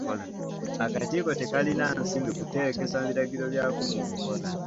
Akakiiko tekalina nsimbi kuteekesa biragiro byako mu nkola.